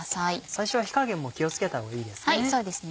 最初は火加減も気を付けた方がいいですね。